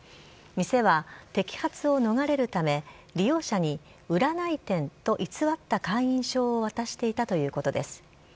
店は摘発を逃れるため、利用者に占い店と偽った会員証を渡していたということです。